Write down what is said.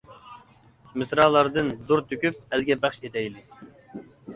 مىسرالاردىن دۇر تۆكۈپ، ئەلگە بەخش ئېتەيلى.